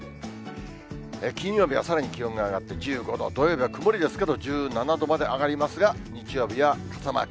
金曜日はさらに気温が上がって１５度、土曜日は曇りですけど１７度まで上がりますが、日曜日は傘マーク。